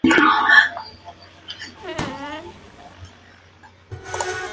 El libro ha sido el tema de varias entrevista en los medios con Cooke.